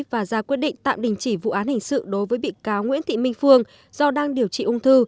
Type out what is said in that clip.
và ra quyết định tạm đình chỉ vụ án hình sự đối với bị cáo nguyễn thị minh phương do đang điều trị ung thư